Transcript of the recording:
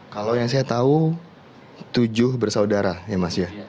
kalau yang saya tahu tujuh bersaudara ya mas ya